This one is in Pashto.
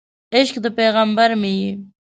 عشق د پیغمبر مې یې